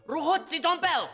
ruhut si tompel